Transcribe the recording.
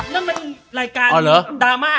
นั่นมันรายการดราม่า